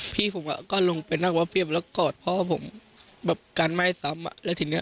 พี่ผมอะก็ลงไปนอกบ้านที่นอกกอดพ่อผมแบบการไหม้ซ้ำอะแล้วทีเนี่ย